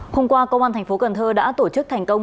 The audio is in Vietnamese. hôm qua công an thành phố cần thơ đã tổ chức thành công